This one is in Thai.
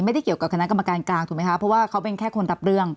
ไม่ได้เกี่ยวกับคณะกรรมการกลางถูกไหมคะเพราะว่าเขาเป็นแค่คนรับเรื่อง